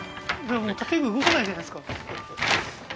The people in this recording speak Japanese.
もう建具動かないんじゃないですか？